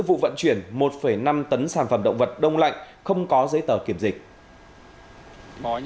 vụ vận chuyển một năm tấn sản phẩm động vật đông lạnh không có giấy tờ kiểm dịch